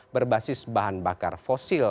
berbasis bahan bakar fosil